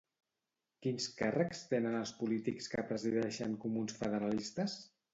Quins càrrecs tenen els polítics que presideixen Comuns Federalistes?